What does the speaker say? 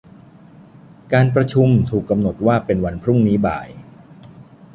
การประชุมถูกกำหนดว่าเป็นวันพรุ่งนี้บ่าย